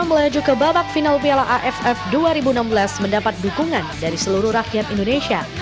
melaju ke babak final piala aff dua ribu enam belas mendapat dukungan dari seluruh rakyat indonesia